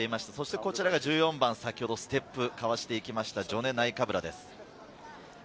こちらが１４番、先ほどステップかわしていきました、ジョネ・ナイカブラです。